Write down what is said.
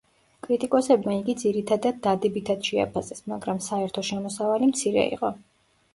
კრიტიკოსებმა იგი ძირითადად დადებითად შეაფასეს, მაგრამ საერთო შემოსავალი მცირე იყო.